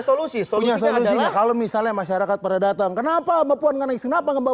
punya solusi solusi kalau misalnya masyarakat pada datang kenapa mbak puan nangis kenapa mbak